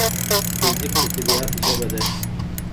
فزیک د طبیعت ژبه ده.